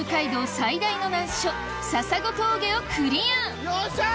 最大の難所笹子峠をクリアよっしゃ！